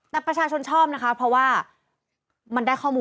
แต่ประชาชนชอบนะคะเพราะว่ามันได้ข้อมูล